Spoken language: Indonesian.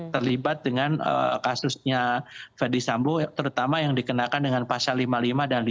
terlibat dengan kasusnya ferdis sambo terutama yang dikenakan dengan pasal lima puluh lima dan lima puluh